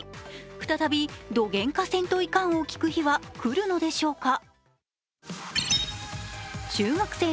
再び「どげんかせんといかん！」を聞く日は来るのでしょうか。